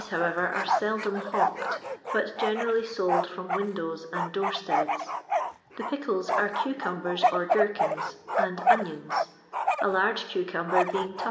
however, are mMob hawked, bat gcneraUy told from windows and door steada. The |Hcklet are I cucumbers or gherkins, and onioMi — a large ca < camber being 2d.